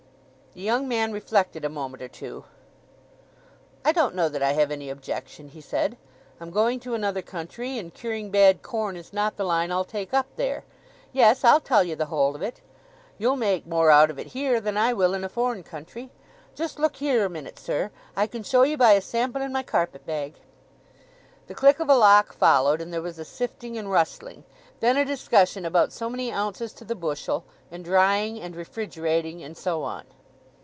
The young man reflected a moment or two. "I don't know that I have any objection," he said. "I'm going to another country, and curing bad corn is not the line I'll take up there. Yes, I'll tell ye the whole of it—you'll make more out of it heere than I will in a foreign country. Just look heere a minute, sir. I can show ye by a sample in my carpet bag." The click of a lock followed, and there was a sifting and rustling; then a discussion about so many ounces to the bushel, and drying, and refrigerating, and so on.